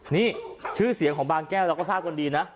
นี่ชื่อเสียงของบางแก้วเราก็ทราบกันดีนะ